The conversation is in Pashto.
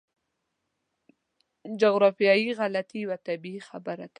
جغرافیایي غلطي یوه طبیعي خبره ده.